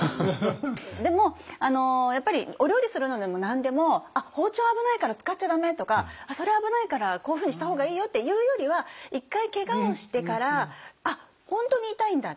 でもお料理するのでも何でも「あっ包丁危ないから使っちゃ駄目」とか「それ危ないからこういうふうにした方がいいよ」って言うよりは一回けがをしてからあっ本当に痛いんだ